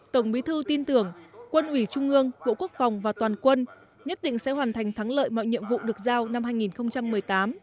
tổng bí thư tin tưởng quân ủy trung ương bộ quốc phòng và toàn quân nhất định sẽ hoàn thành thắng lợi mọi nhiệm vụ được giao năm hai nghìn một mươi tám